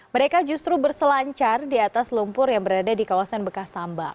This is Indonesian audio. mereka justru berselancar di atas lumpur yang berada di kawasan bekas tambak